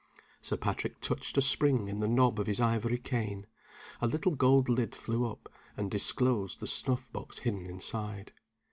Sir Patrick touched a spring in the knob of his ivory cane. A little gold lid flew up, and disclosed the snuff box hidden inside.